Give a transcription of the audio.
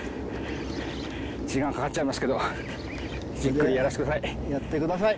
時間かかっちゃいますけどじっくりやらせてくださいやってください